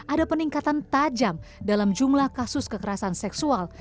ada peningkatan tajam dalam jumlah kasus kekerasan seksual